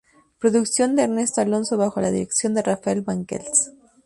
Producción de Ernesto Alonso bajo la dirección de Rafael Banquells.